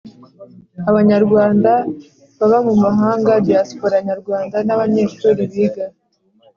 abanyarwanda baba mu mahanga diaspora Nyarwanda n abanyeshuri biga